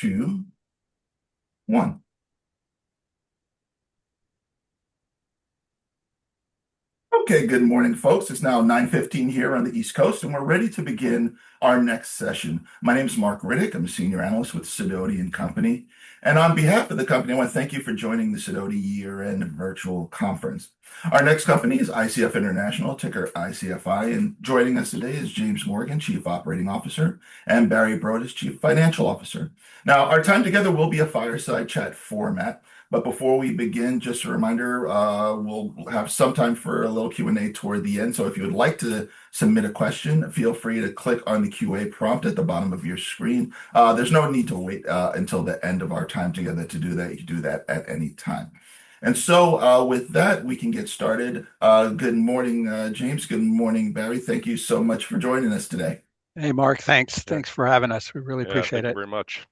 Two, one. Okay, good morning, folks. It's now 9:15 A.M. here on the East Coast, and we're ready to begin our next session. My name is Mark Riddick. I'm a senior analyst with Sidoti & Company, and on behalf of the company, I want to thank you for joining the Sidoti Year-End Virtual Conference. Our next company is ICF International, ticker ICFI, and joining us today is James Morgan, Chief Operating Officer, and Barry Broadus, Chief Financial Officer. Now, our time together will be a fireside chat format, but before we begin, just a reminder, we'll have some time for a little Q&A toward the end, so if you would like to submit a question, feel free to click on the Q&A prompt at the bottom of your screen. There's no need to wait until the end of our time together to do that. You can do that at any time. And so with that, we can get started. Good morning, James. Good morning, Barry. Thank you so much for joining us today. Hey, Mark. Thanks. Thanks for having us. We really appreciate it. Thank you very much.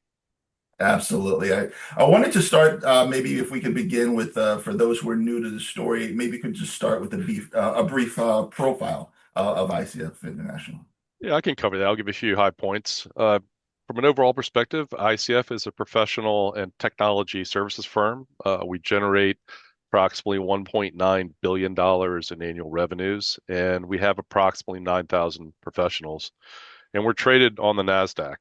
Absolutely. I wanted to start, maybe if we could begin with, for those who are new to the story, maybe we could just start with a brief profile of ICF International. Yeah, I can cover that. I'll give you a few high points. From an overall perspective, ICF is a professional and technology services firm. We generate approximately $1.9 billion in annual revenues, and we have approximately 9,000 professionals, and we're traded on the NASDAQ.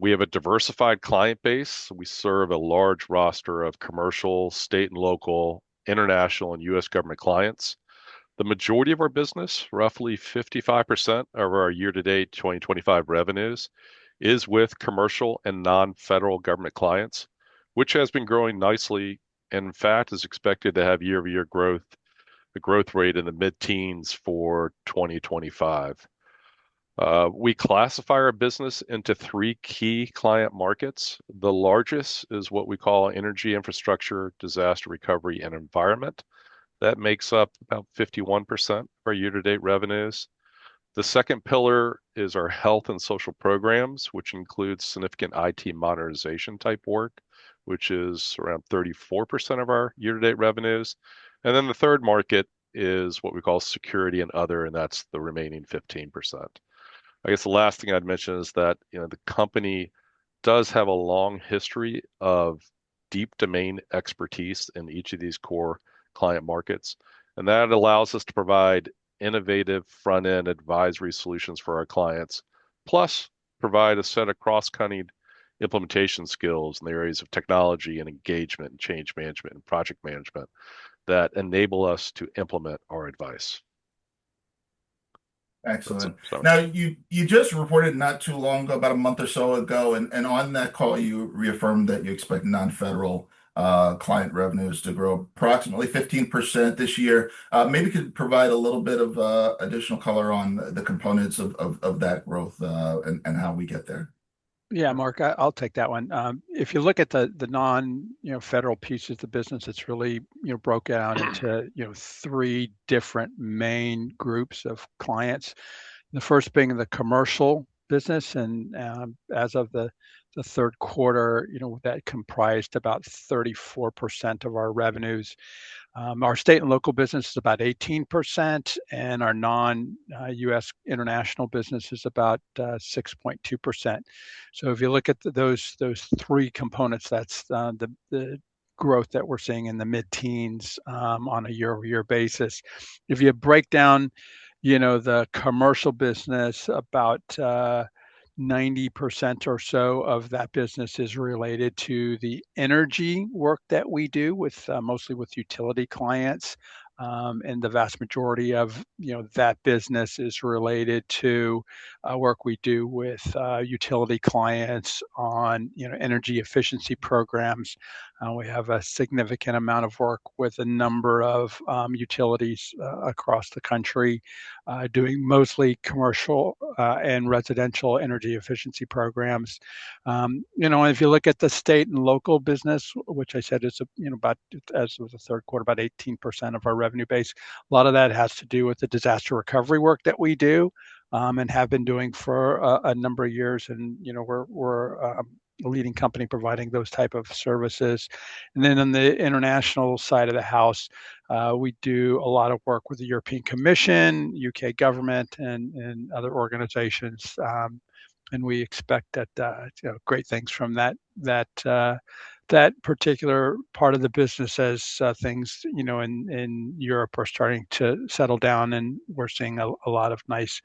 We have a diversified client base. We serve a large roster of commercial, state, and local, international, and U.S. government clients. The majority of our business, roughly 55% of our year-to-date 2025 revenues, is with commercial and non-federal government clients, which has been growing nicely and, in fact, is expected to have year-over-year growth, a growth rate in the mid-teens for 2025. We classify our business into three key client markets. The largest is what we call Energy, Infrastructure, Disaster Recovery, and Environment. That makes up about 51% of our year-to-date revenues. The second pillar is our Health and Social Programs, which includes significant IT modernization-type work, which is around 34% of our year-to-date revenues. And then the third market is what we call Security and Other, and that's the remaining 15%. I guess the last thing I'd mention is that the company does have a long history of deep domain expertise in each of these core client markets. And that allows us to provide innovative front-end advisory solutions for our clients, plus provide a set of cross-cutting implementation skills in the areas of technology and engagement and change management and project management that enable us to implement our advice. Excellent. Now, you just reported not too long ago, about a month or so ago, and on that call, you reaffirmed that you expect non-federal client revenues to grow approximately 15% this year. Maybe you could provide a little bit of additional color on the components of that growth and how we get there. Yeah, Mark, I'll take that one. If you look at the non-federal piece of the business, it's really broken out into three different main groups of clients. The first being the commercial business, and as of the third quarter, that comprised about 34% of our revenues. Our state and local business is about 18%, and our non-U.S. international business is about 6.2%. So if you look at those three components, that's the growth that we're seeing in the mid-teens on a year-over-year basis. If you break down the commercial business, about 90% or so of that business is related to the energy work that we do, mostly with utility clients, and the vast majority of that business is related to work we do with utility clients on energy efficiency programs. We have a significant amount of work with a number of utilities across the country doing mostly commercial and residential energy efficiency programs. And if you look at the state and local business, which I said is about, as of the third quarter, about 18% of our revenue base, a lot of that has to do with the disaster recovery work that we do and have been doing for a number of years. And we're a leading company providing those types of services. And then on the international side of the house, we do a lot of work with the European Commission, U.K. government, and other organizations. And we expect that great things from that particular part of the business as things in Europe are starting to settle down. And we're seeing a lot of nice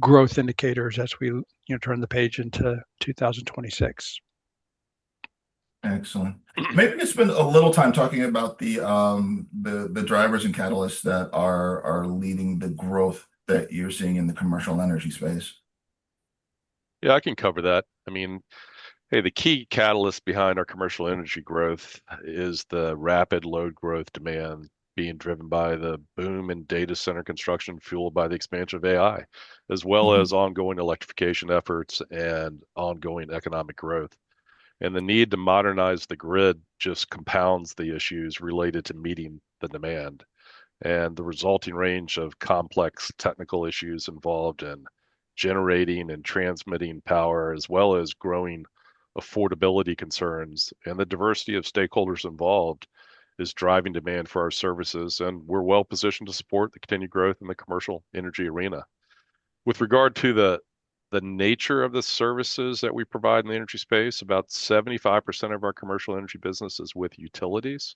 growth indicators as we turn the page into 2026. Excellent. Maybe you spend a little time talking about the drivers and catalysts that are leading the growth that you're seeing in the commercial energy space. Yeah, I can cover that. I mean, hey, the key catalyst behind our commercial energy growth is the rapid load growth demand being driven by the boom in data center construction fueled by the expansion of AI, as well as ongoing electrification efforts and ongoing economic growth, and the need to modernize the grid just compounds the issues related to meeting the demand and the resulting range of complex technical issues involved in generating and transmitting power, as well as growing affordability concerns, and the diversity of stakeholders involved is driving demand for our services, and we're well positioned to support the continued growth in the commercial energy arena. With regard to the nature of the services that we provide in the energy space, about 75% of our commercial energy business is with utilities.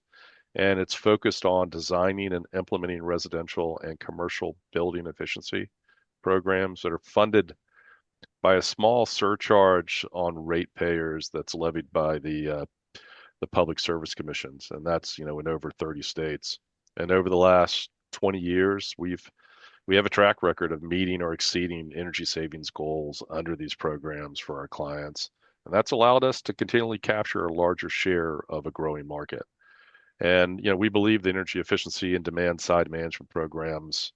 It's focused on designing and implementing residential and commercial building efficiency programs that are funded by a small surcharge on ratepayers that's levied by the public service commissions. That's in over 30 states. Over the last 20 years, we have a track record of meeting or exceeding energy savings goals under these programs for our clients. That's allowed us to continually capture a larger share of a growing market. We believe the energy efficiency and demand-side management programs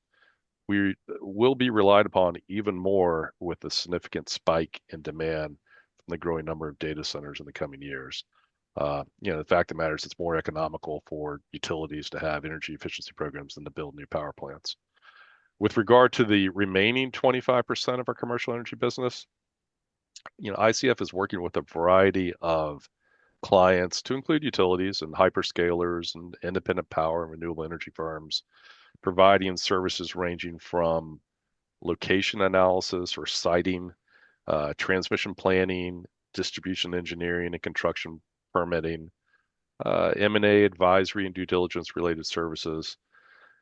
will be relied upon even more with a significant spike in demand from the growing number of data centers in the coming years. The fact of the matter is, it's more economical for utilities to have energy efficiency programs than to build new power plants. With regard to the remaining 25% of our commercial energy business, ICF is working with a variety of clients to include utilities and hyperscalers and independent power and renewable energy firms, providing services ranging from location analysis or siting, transmission planning, distribution engineering, and construction permitting, M&A advisory and due diligence-related services.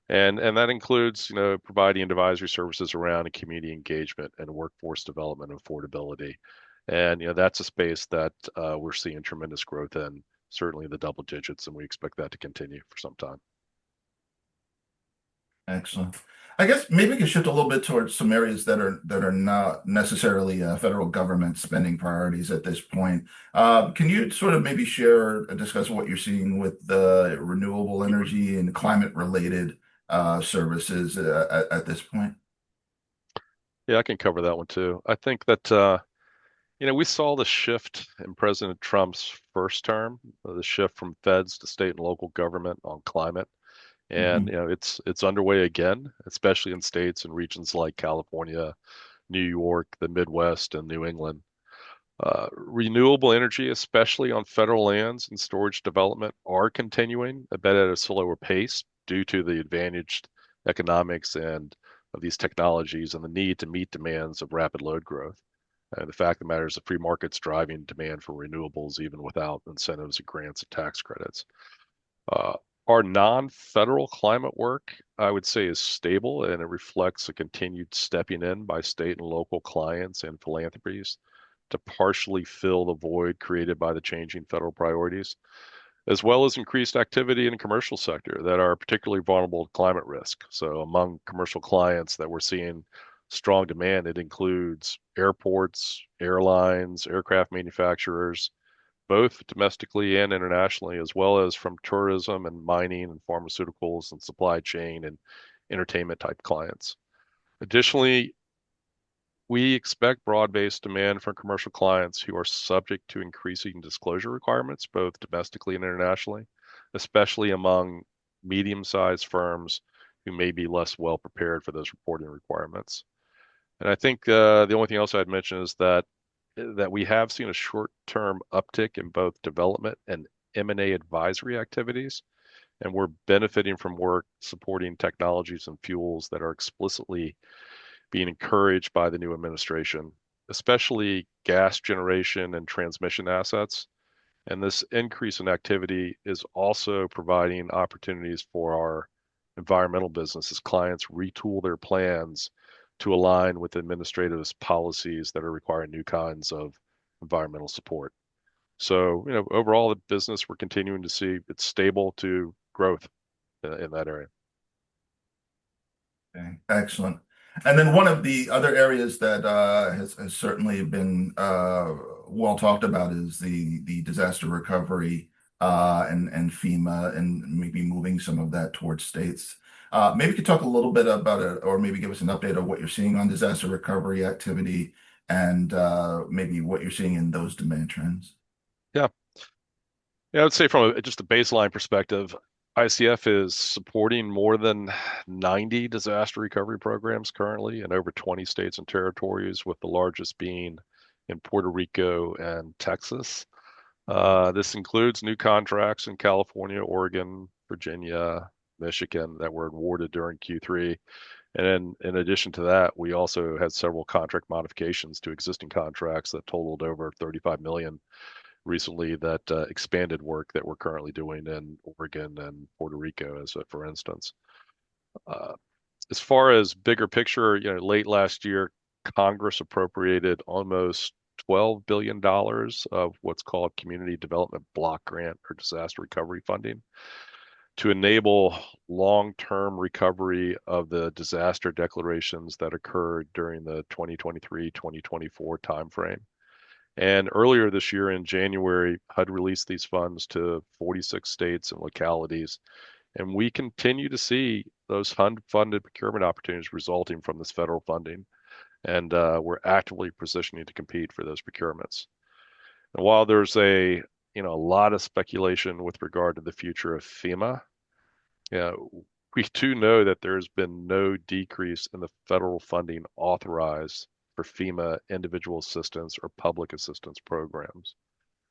And that includes providing advisory services around community engagement and workforce development and affordability. And that's a space that we're seeing tremendous growth in, certainly in the double digits. And we expect that to continue for some time. Excellent. I guess maybe you can shift a little bit towards some areas that are not necessarily federal government spending priorities at this point. Can you sort of maybe share and discuss what you're seeing with the renewable energy and climate-related services at this point? Yeah, I can cover that one too. I think that we saw the shift in President Trump's first term, the shift from feds to state and local government on climate, and it's underway again, especially in states and regions like California, New York, the Midwest, and New England. Renewable energy, especially on federal lands and storage development, are continuing, but at a slower pace due to the advantaged economics of these technologies and the need to meet demands of rapid load growth, and the fact that matters of free markets driving demand for renewables even without incentives or grants and tax credits. Our non-federal climate work, I would say, is stable, and it reflects a continued stepping in by state and local clients and philanthropies to partially fill the void created by the changing federal priorities, as well as increased activity in the commercial sector that are particularly vulnerable to climate risk, so among commercial clients that we're seeing strong demand, it includes airports, airlines, aircraft manufacturers, both domestically and internationally, as well as from tourism and mining and pharmaceuticals and supply chain and entertainment-type clients. Additionally, we expect broad-based demand from commercial clients who are subject to increasing disclosure requirements, both domestically and internationally, especially among medium-sized firms who may be less well-prepared for those reporting requirements, and I think the only thing else I'd mention is that we have seen a short-term uptick in both development and M&A advisory activities. We're benefiting from work supporting technologies and fuels that are explicitly being encouraged by the new administration, especially gas generation and transmission assets. This increase in activity is also providing opportunities for our environmental businesses. Clients retool their plans to align with administrative policies that are requiring new kinds of environmental support. Overall, the business, we're continuing to see it's stable to growth in that area. Excellent. And then one of the other areas that has certainly been well talked about is the disaster recovery and FEMA and maybe moving some of that towards states. Maybe you could talk a little bit about it or maybe give us an update on what you're seeing on disaster recovery activity and maybe what you're seeing in those demand trends. Yeah. Yeah, I would say from just a baseline perspective, ICF is supporting more than 90 disaster recovery programs currently in over 20 states and territories, with the largest being in Puerto Rico and Texas. This includes new contracts in California, Oregon, Virginia, Michigan that were awarded during Q3. And in addition to that, we also had several contract modifications to existing contracts that totaled over $35 million recently that expanded work that we're currently doing in Oregon and Puerto Rico, for instance. As far as bigger picture, late last year, Congress appropriated almost $12 billion of what's called Community Development Block Grant or disaster recovery funding to enable long-term recovery of the disaster declarations that occurred during the 2023-2024 timeframe. And earlier this year in January, HUD released these funds to 46 states and localities. And we continue to see those HUD-funded procurement opportunities resulting from this federal funding. And we're actively positioning to compete for those procurements. And while there's a lot of speculation with regard to the future of FEMA, we do know that there has been no decrease in the federal funding authorized for FEMA Individual Assistance or Public Assistance programs.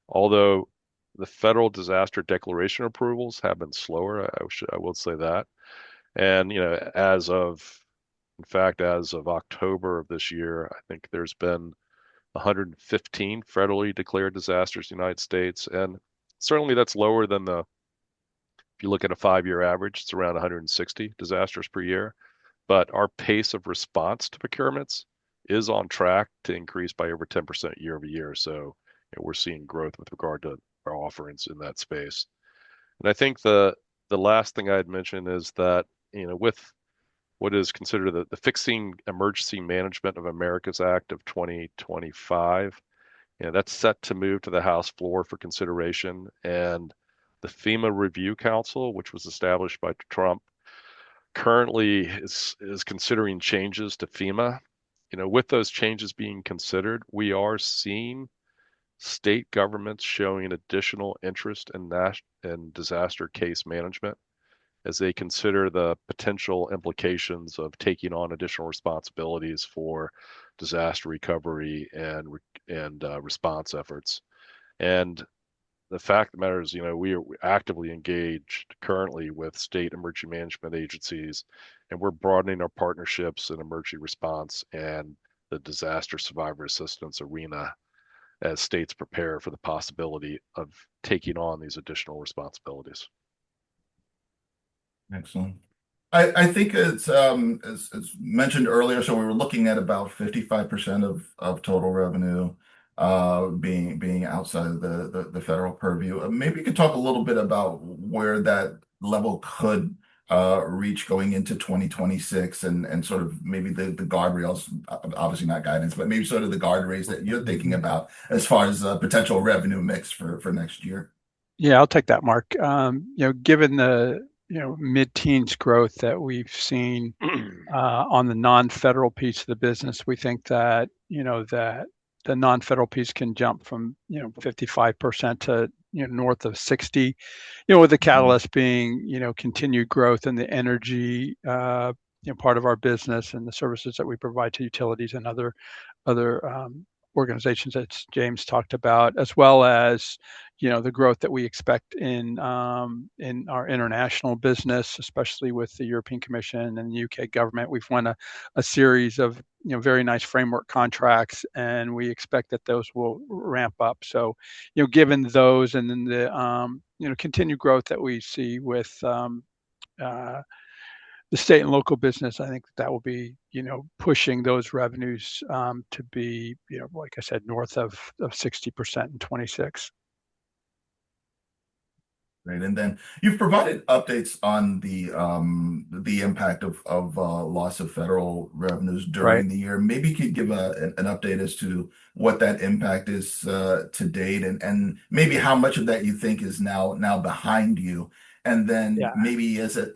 Although the federal disaster declaration approvals have been slower, I will say that. And, in fact, as of October of this year, I think there's been 115 federally declared disasters in the United States. And certainly, that's lower than the, if you look at a five-year average, it's around 160 disasters per year. But our pace of response to procurements is on track to increase by over 10% year-over-year. So we're seeing growth with regard to our offerings in that space. I think the last thing I'd mention is that with what is considered the Fixing Emergency Management of America's Act of 2025, that's set to move to the House floor for consideration. The FEMA Review Council, which was established by Trump, currently is considering changes to FEMA. With those changes being considered, we are seeing state governments showing additional interest in disaster case management as they consider the potential implications of taking on additional responsibilities for disaster recovery and response efforts. The fact that matters, we are actively engaged currently with state emergency management agencies. We're broadening our partnerships in emergency response and the disaster survivor assistance arena as states prepare for the possibility of taking on these additional responsibilities. Excellent. I think, as mentioned earlier, so we were looking at about 55% of total revenue being outside of the federal purview. Maybe you could talk a little bit about where that level could reach going into 2026 and sort of maybe the guardrails, obviously not guidance, but maybe sort of the guardrails that you're thinking about as far as a potential revenue mix for next year? Yeah, I'll take that, Mark. Given the mid-teens growth that we've seen on the non-federal piece of the business, we think that the non-federal piece can jump from 55% to north of 60%, with the catalyst being continued growth in the energy part of our business and the services that we provide to utilities and other organizations that James talked about, as well as the growth that we expect in our international business, especially with the European Commission and the U.K. government. We've won a series of very nice framework contracts, and we expect that those will ramp up. So given those and the continued growth that we see with the state and local business, I think that will be pushing those revenues to be, like I said, north of 60% in 2026. Great. And then you've provided updates on the impact of loss of federal revenues during the year. Maybe you could give an update as to what that impact is to date and maybe how much of that you think is now behind you. And then maybe as an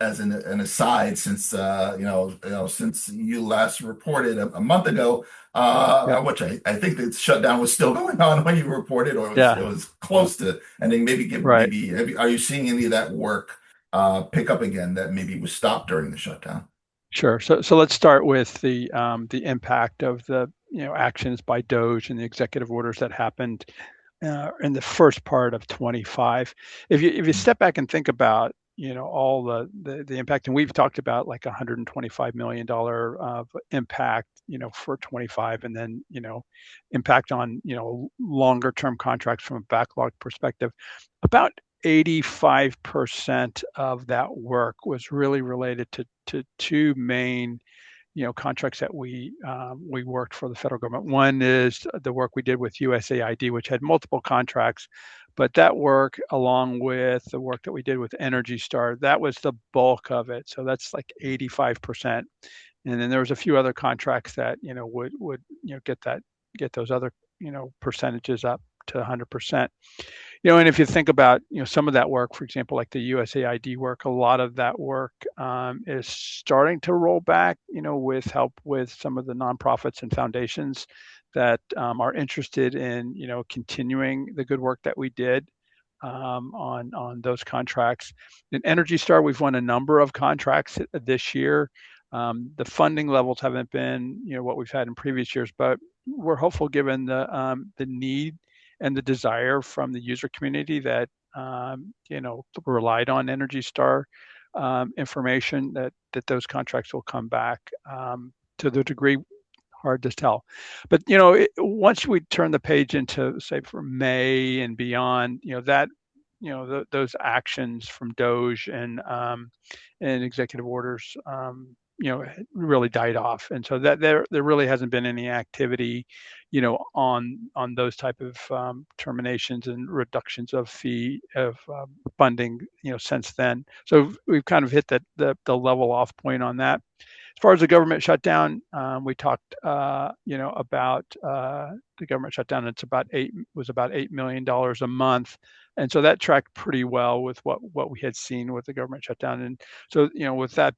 aside, since you last reported a month ago, which I think the shutdown was still going on when you reported, or it was close to, and then maybe are you seeing any of that work pick up again that maybe was stopped during the shutdown? Sure. So let's start with the impact of the actions by DOGE and the executive orders that happened in the first part of 2025. If you step back and think about all the impact, and we've talked about like a $125 million impact for 2025 and then impact on longer-term contracts from a backlog perspective, about 85% of that work was really related to two main contracts that we worked for the federal government. One is the work we did with USAID, which had multiple contracts. But that work, along with the work that we did with ENERGY STAR, that was the bulk of it. So that's like 85%. And then there was a few other contracts that would get those other percentages up to 100%. and if you think about some of that work, for example, like the USAID work, a lot of that work is starting to roll back with help with some of the nonprofits and foundations that are interested in continuing the good work that we did on those contracts. In ENERGY STAR, we've won a number of contracts this year. The funding levels haven't been what we've had in previous years, but we're hopeful given the need and the desire from the user community that relied on ENERGY STAR information that those contracts will come back to the degree hard to tell. but once we turn the page into, say, for May and beyond, those actions from DOGE and executive orders really died off. and so there really hasn't been any activity on those types of terminations and reductions of funding since then. So we've kind of hit the level off point on that. As far as the government shutdown, we talked about the government shutdown, and it was about $8 million a month. And so that tracked pretty well with what we had seen with the government shutdown. And so with that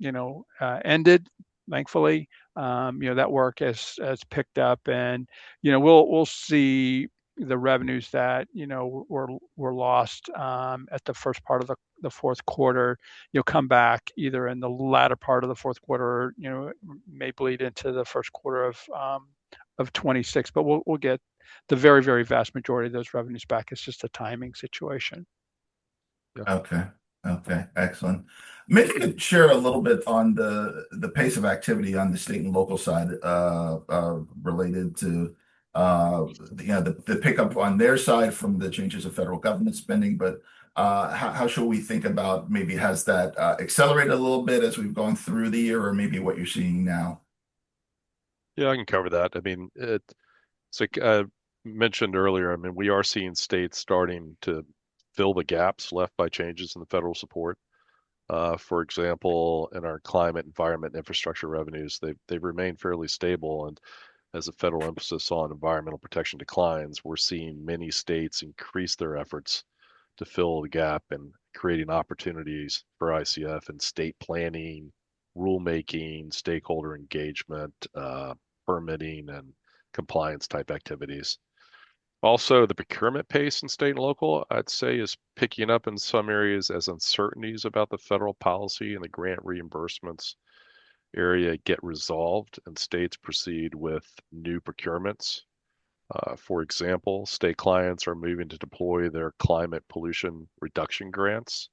being ended, thankfully, that work has picked up. And we'll see the revenues that were lost at the first part of the fourth quarter come back either in the latter part of the fourth quarter or may bleed into the first quarter of 2026. But we'll get the very, very vast majority of those revenues back. It's just a timing situation. Okay. Okay. Excellent. Maybe you could share a little bit on the pace of activity on the state and local side related to the pickup on their side from the changes of federal government spending. But how should we think about maybe has that accelerated a little bit as we've gone through the year or maybe what you're seeing now? Yeah, I can cover that. I mean, so I mentioned earlier, I mean, we are seeing states starting to fill the gaps left by changes in the federal support. For example, in our climate, environment, and infrastructure revenues, they've remained fairly stable. And as the federal emphasis on environmental protection declines, we're seeing many states increase their efforts to fill the gap and create opportunities for ICF and state planning, rulemaking, stakeholder engagement, permitting, and compliance-type activities. Also, the procurement pace in state and local, I'd say, is picking up in some areas as uncertainties about the federal policy and the grant reimbursements area get resolved and states proceed with new procurements. For example, state clients are moving to deploy their Climate Pollution reduction grants.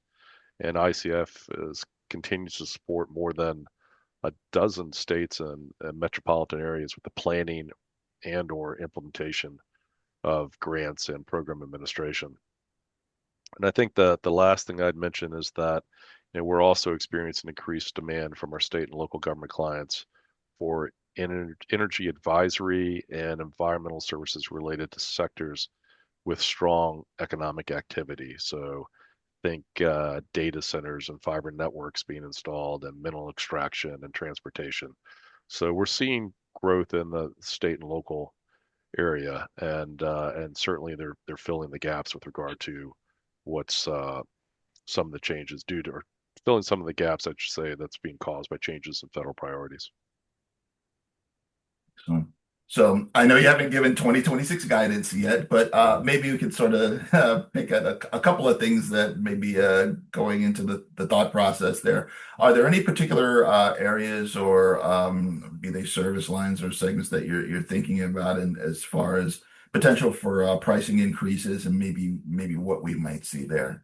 And ICF continues to support more than a dozen states and metropolitan areas with the planning and/or implementation of grants and program administration. And I think the last thing I'd mention is that we're also experiencing increased demand from our state and local government clients for energy advisory and environmental services related to sectors with strong economic activity. So I think data centers and fiber networks being installed and mineral extraction and transportation. So we're seeing growth in the state and local area. And certainly, they're filling the gaps with regard to what's some of the changes due to or filling some of the gaps, I should say, that's being caused by changes in federal priorities. Excellent. So I know you haven't given 2026 guidance yet, but maybe we could sort of pick out a couple of things that may be going into the thought process there. Are there any particular areas or be they service lines or segments that you're thinking about as far as potential for pricing increases and maybe what we might see there?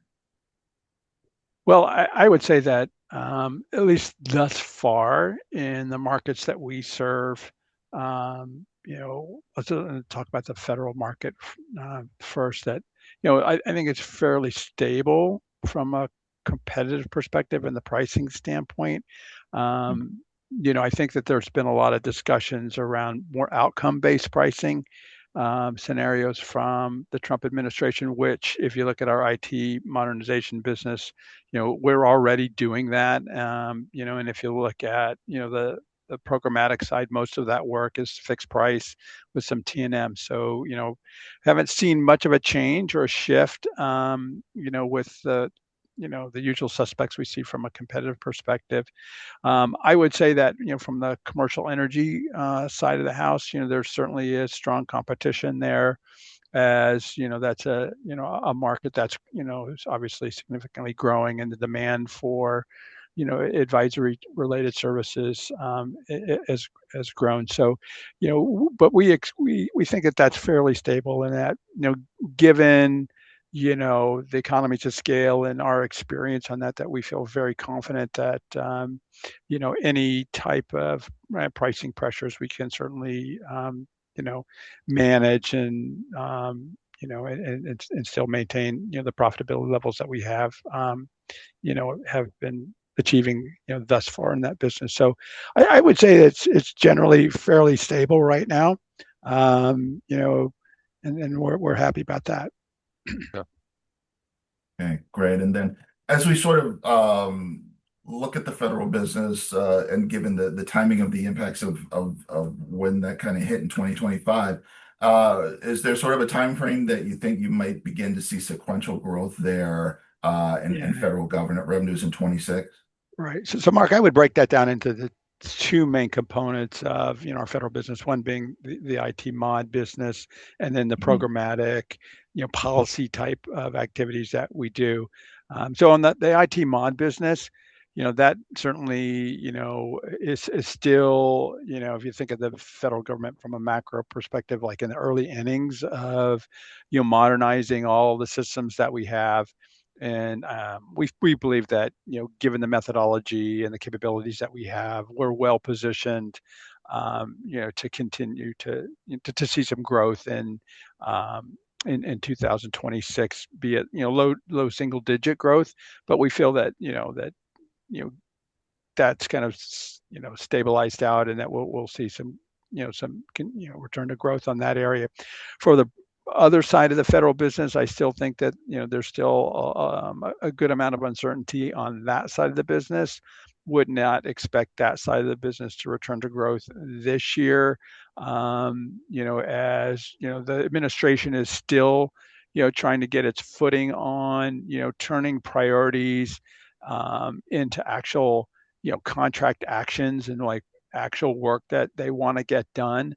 I would say that at least thus far in the markets that we serve, let's talk about the federal market first, that I think it's fairly stable from a competitive perspective and the pricing standpoint. I think that there's been a lot of discussions around more outcome-based pricing scenarios from the Trump administration, which, if you look at our IT modernization business, we're already doing that, and if you look at the programmatic side, most of that work is fixed price with some T&M, so I haven't seen much of a change or a shift with the usual suspects we see from a competitive perspective. I would say that from the commercial energy side of the house, there certainly is strong competition there as that's a market that's obviously significantly growing and the demand for advisory-related services has grown. But we think that that's fairly stable and that, given the economies of scale and our experience on that, that we feel very confident that any type of pricing pressures we can certainly manage and still maintain the profitability levels that we have been achieving thus far in that business, so I would say it's generally fairly stable right now, and we're happy about that. Okay. Great. And then as we sort of look at the federal business and given the timing of the impacts of when that kind of hit in 2025, is there sort of a time frame that you think you might begin to see sequential growth there in federal government revenues in 2026? Right. So Mark, I would break that down into the two main components of our federal business, one being the IT mod business and then the programmatic policy type of activities that we do. So on the IT mod business, that certainly is still, if you think of the federal government from a macro perspective, like in the early innings of modernizing all the systems that we have. And we believe that given the methodology and the capabilities that we have, we're well positioned to continue to see some growth in 2026, be it low single-digit growth. But we feel that that's kind of stabilized out and that we'll see some return to growth on that area. For the other side of the federal business, I still think that there's still a good amount of uncertainty on that side of the business. Would not expect that side of the business to return to growth this year as the administration is still trying to get its footing on turning priorities into actual contract actions and actual work that they want to get done.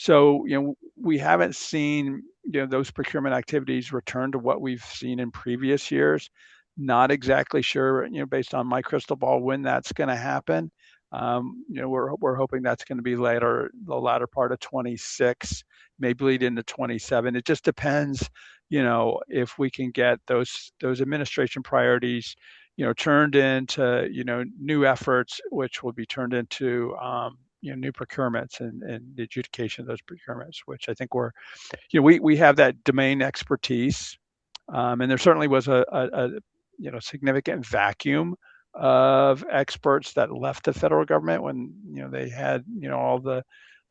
So we haven't seen those procurement activities return to what we've seen in previous years. Not exactly sure based on my crystal ball when that's going to happen. We're hoping that's going to be later, the latter part of 2026, may bleed into 2027. It just depends if we can get those administration priorities turned into new efforts, which will be turned into new procurements and the adjudication of those procurements, which I think we have that domain expertise. And there certainly was a significant vacuum of experts that left the federal government when they had all the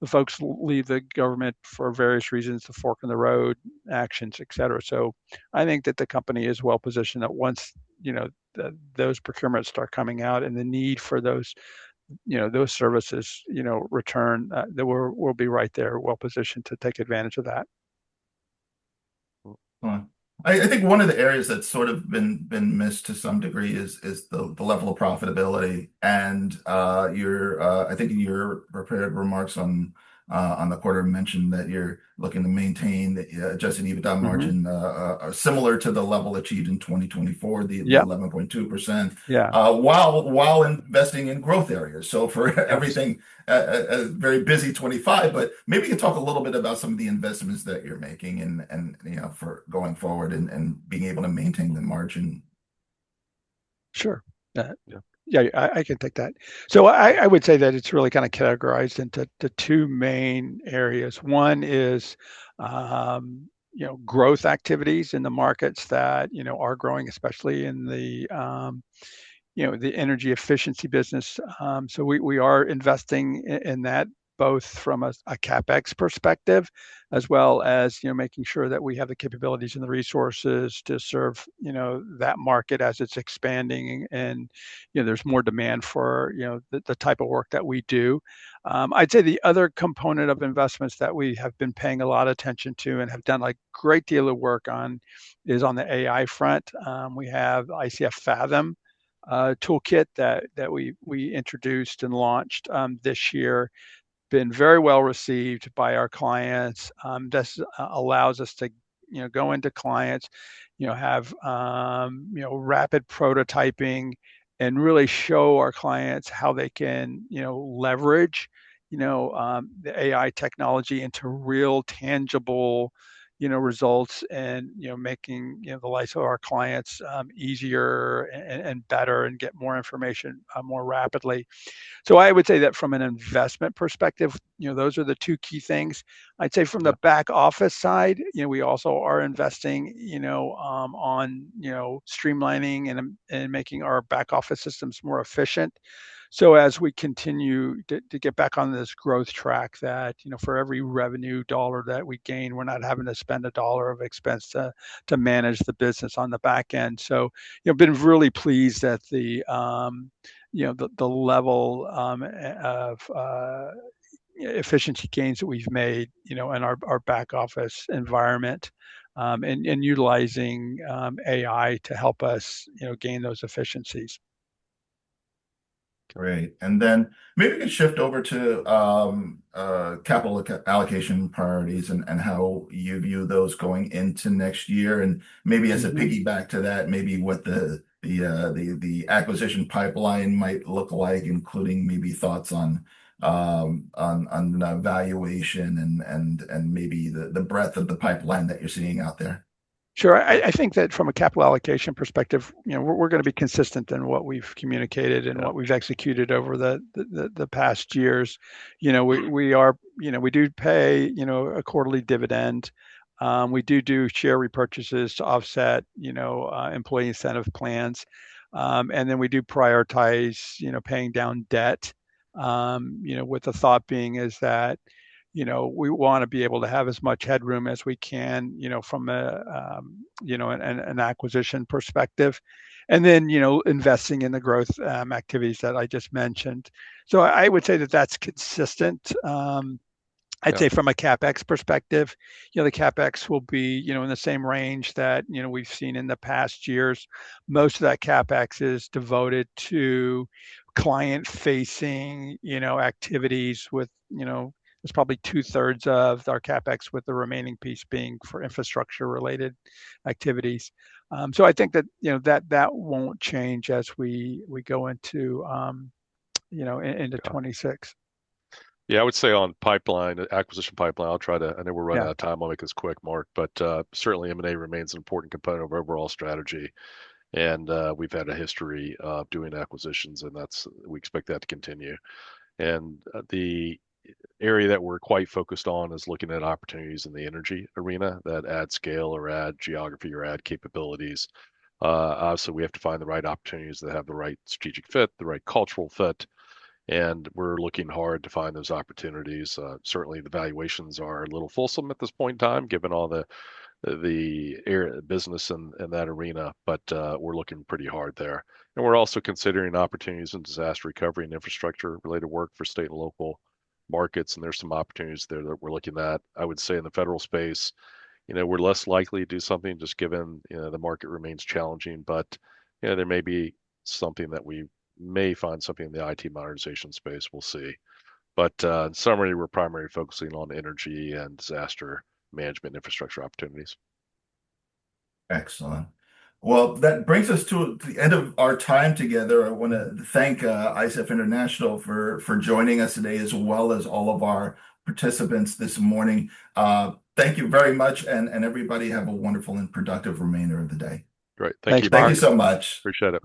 folks leave the government for various reasons, the fork in the road actions, etc. So I think that the company is well positioned that once those procurements start coming out and the need for those services return, that we'll be right there well positioned to take advantage of that. I think one of the areas that's sort of been missed to some degree is the level of profitability. And I think in your remarks on the quarter, you mentioned that you're looking to maintain adjusted EBITDA margin similar to the level achieved in 2024, the 11.2%, while investing in growth areas. So for everything, a very busy 2025, but maybe you can talk a little bit about some of the investments that you're making for going forward and being able to maintain the margin. Sure. Yeah, I can take that. So I would say that it's really kind of categorized into two main areas. One is growth activities in the markets that are growing, especially in the energy efficiency business. So we are investing in that both from a CapEx perspective as well as making sure that we have the capabilities and the resources to serve that market as it's expanding and there's more demand for the type of work that we do. I'd say the other component of investments that we have been paying a lot of attention to and have done a great deal of work on is on the AI front. We have ICF Fathom toolkit that we introduced and launched this year. Been very well received by our clients. This allows us to go into clients, have rapid prototyping, and really show our clients how they can leverage the AI technology into real tangible results and making the lives of our clients easier and better and get more information more rapidly. So I would say that from an investment perspective, those are the two key things. I'd say from the back office side, we also are investing on streamlining and making our back office systems more efficient. So as we continue to get back on this growth track, that for every revenue dollar that we gain, we're not having to spend a dollar of expense to manage the business on the back end. So I've been really pleased at the level of efficiency gains that we've made in our back office environment and utilizing AI to help us gain those efficiencies. Great. And then maybe we can shift over to capital allocation priorities and how you view those going into next year. And maybe as a piggyback to that, maybe what the acquisition pipeline might look like, including maybe thoughts on valuation and maybe the breadth of the pipeline that you're seeing out there. Sure. I think that from a capital allocation perspective, we're going to be consistent in what we've communicated and what we've executed over the past years. We do pay a quarterly dividend. We do do share repurchases to offset employee incentive plans. And then we do prioritize paying down debt with the thought being is that we want to be able to have as much headroom as we can from an acquisition perspective. And then investing in the growth activities that I just mentioned. So I would say that that's consistent. I'd say from a CapEx perspective, the CapEx will be in the same range that we've seen in the past years. Most of that CapEx is devoted to client-facing activities, with it's probably 2/3 of our CapEx, with the remaining piece being for infrastructure-related activities. So I think that won't change as we go into 2026. Yeah, I would say on pipeline, acquisition pipeline. I'll try to. I know we're running out of time. I'll make this quick, Mark, but certainly M&A remains an important component of our overall strategy. And we've had a history of doing acquisitions, and we expect that to continue. And the area that we're quite focused on is looking at opportunities in the energy arena, that add scale or add geography or add capabilities. So we have to find the right opportunities that have the right strategic fit, the right cultural fit. And we're looking hard to find those opportunities. Certainly, the valuations are a little fulsome at this point in time, given all the business in that arena, but we're looking pretty hard there. And we're also considering opportunities in disaster recovery and infrastructure-related work for state and local markets. And there's some opportunities there that we're looking at. I would say in the federal space, we're less likely to do something just given the market remains challenging, but there may be something that we may find in the IT modernization space. We'll see, but in summary, we're primarily focusing on energy and disaster management infrastructure opportunities. Excellent. Well, that brings us to the end of our time together. I want to thank ICF International for joining us today as well as all of our participants this morning. Thank you very much, and everybody have a wonderful and productive remainder of the day. Great. Thank you, Mark. Thank you so much. Appreciate it.